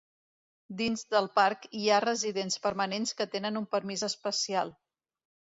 Dins del parc hi ha residents permanents que tenen un permís especial.